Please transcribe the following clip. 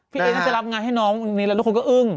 พี่เอ๋นให้ได้รับงานให้น้องแล้วทุกคนก็เอิ่ง